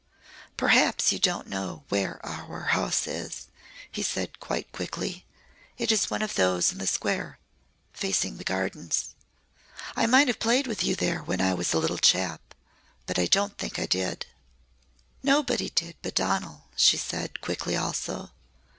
"Perhaps you don't know where our house is," he said quite quickly. "It is one of those in the Square facing the Gardens. I might have played with you there when I was a little chap but I don't think I did." "Nobody did but Donal," she said, quickly also.